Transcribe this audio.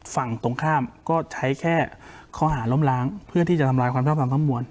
ฝั่งตรงข้ามก็ใช้แค่เคาะหาล้มร้างเพื่อที่จะทำร้ายความพร้อมทั้งหมวล